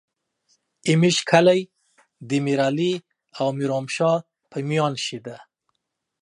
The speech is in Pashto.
ای ميژ کله دې ميرعلي او میرومشا په میون شې ده